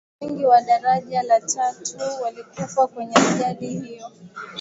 watu wengi wa daraja la tatu walikufa kwenye ajali hiyo